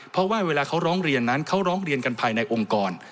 เพราะว่าเวลาเขาร้องเรียนนั้นเขาร้องเรียนกันภายในองค์กร